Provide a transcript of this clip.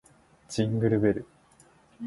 ジングルベル